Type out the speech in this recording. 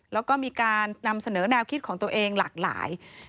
แล้วก็มีการนำเสนอแนวคิดของตัวเองหลากหลาย